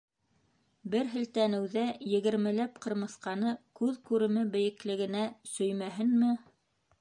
Бер, һелтәнеүҙә егермеләп ҡырмыҫҡаны күҙ күреме бейеклегенә сөймәһенме?!